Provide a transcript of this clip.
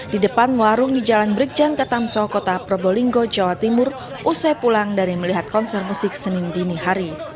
di depan warung di jalan brikjan ke tamsokota probolinggo jawa timur usai pulang dari melihat konser musik senin dinihari